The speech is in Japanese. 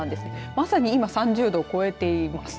まさに今３０度を超えています。